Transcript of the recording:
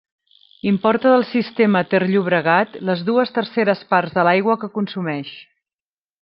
Importa del sistema Ter-Llobregat les dues terceres parts de l'aigua que consumeix.